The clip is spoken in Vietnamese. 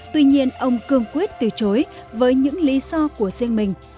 tuy nhiên ông cương quyết từ chối với những lý do của riêng mình